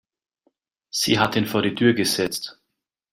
Sie hat ihn vor die Tür gesetzt.